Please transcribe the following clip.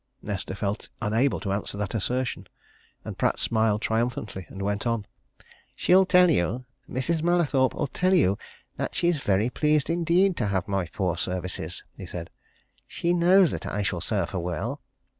Nesta felt unable to answer that assertion. And Pratt smiled triumphantly and went on. "She'll tell you Mrs. Mallathorpe'll tell you that she's very pleased indeed to have my poor services," he said. "She knows that I shall serve her well.